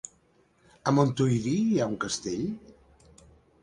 A Montuïri hi ha un castell?